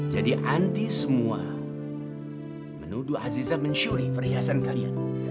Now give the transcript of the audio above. jadi anti semua menuduh aziza mensyuri perhiasan kalian